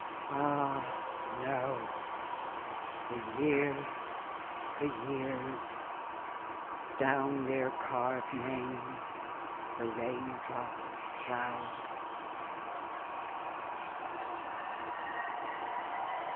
. Ah, no; the years, the years; Down their carved names the rain drop ploughs.